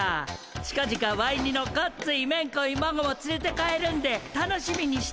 ちかぢかワイ似のごっついめんこいまごもつれて帰るんで楽しみにしててや。